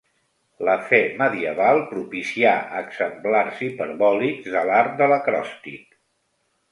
La fe medieval propicià exemplars hiperbòlics de l'art de l'acròstic.